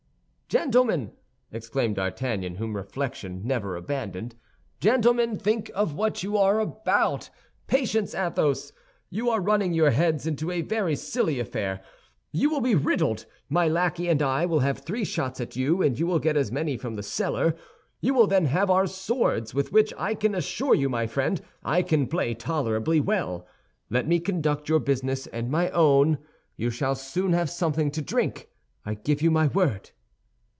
"Gentlemen," exclaimed D'Artagnan, whom reflection never abandoned, "gentlemen, think of what you are about. Patience, Athos! You are running your heads into a very silly affair; you will be riddled. My lackey and I will have three shots at you, and you will get as many from the cellar. You will then have our swords, with which, I can assure you, my friend and I can play tolerably well. Let me conduct your business and my own. You shall soon have something to drink; I give you my word."